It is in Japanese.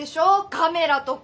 カメラとか！